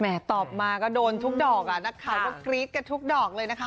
ตอบมาก็โดนทุกดอกอ่ะนักข่าวก็กรี๊ดกันทุกดอกเลยนะคะ